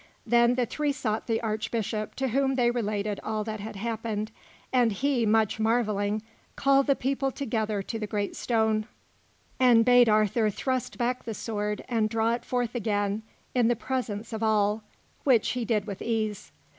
Then the three sought the Archbishop, to whom they related all that had happened; and he, much marvelling, called the people together to the great stone, and bade Arthur thrust back the sword and draw it forth again in the presence of all, which he did with ease.